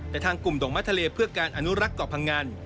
แต่ทางกลุ่มด่งมะทะเลเพื่อการอนุรักษ์เกาะพังงัน